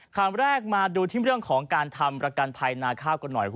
คำแรกมาดูที่เรื่องของการทำประกันภัยนาข้าวกันหน่อย